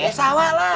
yang sawah lah